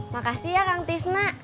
makasih ya kang tisna